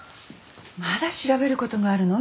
まだ調べることがあるの？